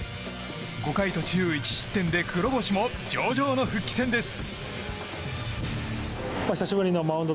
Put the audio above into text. ５回途中１失点で黒星も上々の復帰戦です。